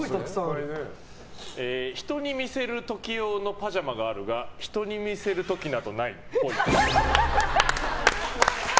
人に見せる時用のパジャマがあるが人に見せる時などないっぽい。